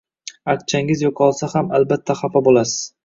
Aqchangiz yo`qolsa ham albatta xafa bo`lasiz